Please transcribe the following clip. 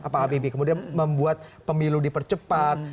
pak habibie kemudian membuat pemilu dipercepat